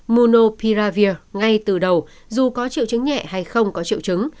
monopiravir ngay từ đầu dù có triệu chứng nhẹ hay không có triệu chứng